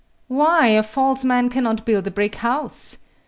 Why, a false man cannot build a brick house!